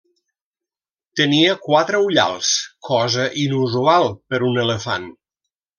Tenia quatre ullals, cosa inusual per un elefant.